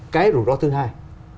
cái rủi ro thứ hai